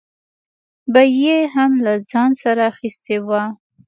به یې هم له ځان سره اخیستې وه.